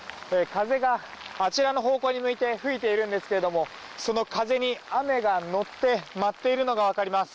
風が、あちらの方向に向いて吹いているんですがその風に、雨が乗って舞っているのが分かります。